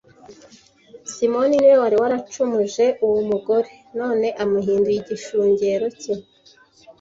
Simoni ni we wari waracumuje uwo mugore none amuhinduye igishungero cye